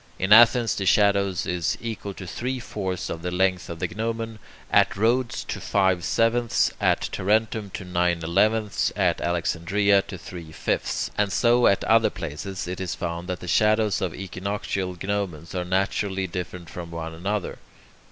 In Athens, the shadow is equal to three fourths of the length of the gnomon; at Rhodes to five sevenths; at Tarentum, to nine elevenths; at Alexandria, to three fifths; and so at other places it is found that the shadows of equinoctial gnomons are naturally different from one another.